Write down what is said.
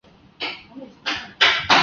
是在乳房的高度测量女性躯干的周长。